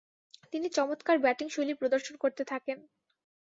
তিনি চমৎকার ব্যাটিংশৈলী প্রদর্শন করতে থাকেন।